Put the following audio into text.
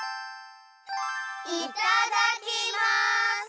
いただきます！